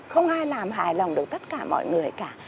không ai làm hài lòng được tất cả mọi người cả